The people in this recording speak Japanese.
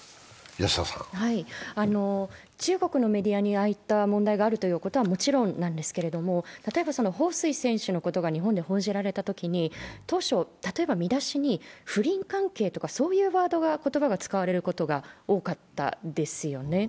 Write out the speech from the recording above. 中国のメディアにああいった問題があるということはもちろんなんですけど、例えば彭帥選手のことが日本で報じられたときに、当初、見出しに「不倫関係」とか、そういう言葉が使われることが多かったですよね。